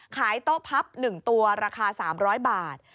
โต๊ะพับ๑ตัวราคา๓๐๐บาท